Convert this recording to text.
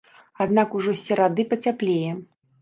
Аднак ужо з серады пацяплее.